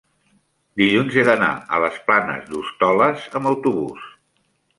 dilluns he d'anar a les Planes d'Hostoles amb autobús.